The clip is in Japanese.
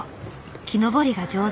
木登りが上手。